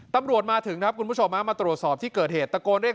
ตำรวจมาถึงครับคุณผู้ชมมาตรวจสอบที่เกิดเหตุตะโกนเรียก